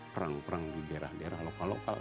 perang perang di daerah daerah lokal lokal